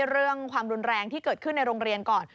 เรื่องความรุนแรงที่เกิดขึ้นในโรงเรียนก่อน